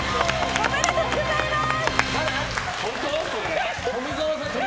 おめでとうございます！